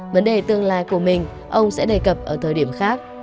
vấn đề tương lai của mình ông sẽ đề cập ở thời điểm khác